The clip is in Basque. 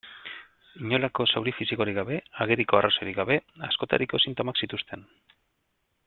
Inolako zauri fisikorik gabe, ageriko arrazoirik gabe, askotariko sintomak zituzten.